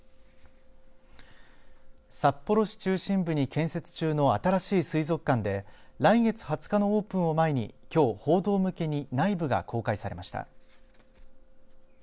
札幌市中心部に建設中の新しい水族館で来月２０日のオープンを前にきょう、報道向けに内部が公開されました。